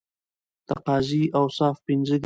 د قاضی اوصاف پنځه دي.